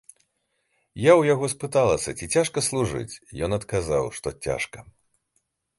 Я ў яго спыталася, ці цяжка служыць, ён адказаў, што цяжка.